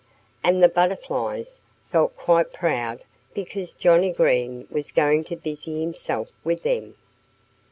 And the Butterflies felt quite proud because Johnnie Green was going to busy himself with them.